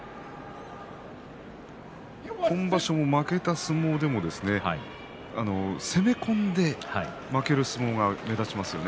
今場所も負けた相撲でも攻め込んで負ける相撲が目立ちますよね。